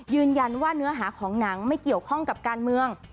เนื้อหาของหนังไม่เกี่ยวข้องกับการเมือง